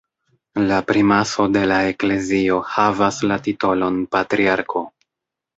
La primaso de la eklezio havas la titolon patriarko.